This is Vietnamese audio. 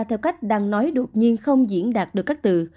theo cách đang nói đột nhiên không diễn đạt được các từ